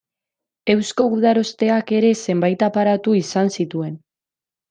Eusko Gudarosteak ere zenbait aparatu izan zituen.